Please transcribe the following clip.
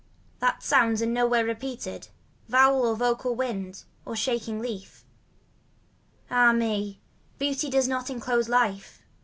And sounds are nowhere repeated. Vowel for vocal wind Or shaking leaf. Ah me, beauty does not enclose life.